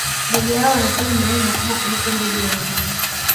ndege hao wanataga mayai makubwa kuliko ndege wengine